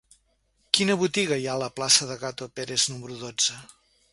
Quina botiga hi ha a la plaça de Gato Pérez número dotze?